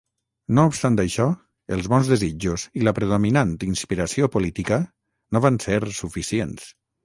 No obstant això, els bons desitjos i la predominant inspiració política no van ser suficients.